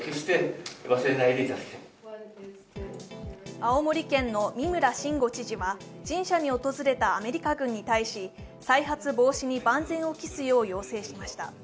青森県の三村申吾知事はアメリカ軍に対し、再発防止に万全を期すよう要請しました。